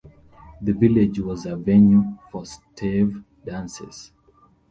The village was a venue for stave dances.